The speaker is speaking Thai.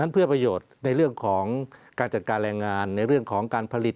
เพื่อประโยชน์ในเรื่องของการจัดการแรงงานในเรื่องของการผลิต